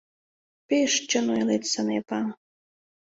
— Пеш чын ойлет, Санепа!